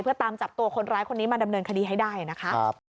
เพื่อตามจับตัวคนร้ายคนนี้มาดำเนินคดีให้ได้นะคะ